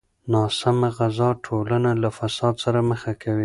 ناسمه غذا ټولنه له فساد سره مخ کوي.